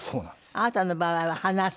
あなたの場合は話す？